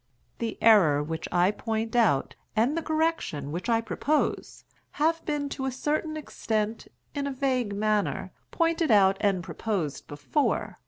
The error which I point out, and the correction which I propose, have been to a certain extent, in a vague manner, pointed out and proposed before.